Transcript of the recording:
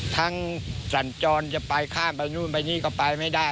สัญจรจะไปข้ามไปนู่นไปนี่ก็ไปไม่ได้